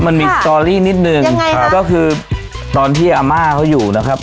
มันมีสตอรี่นิดหนึ่งครับก็คือตอนที่อาม่าเขาอยู่นะครับ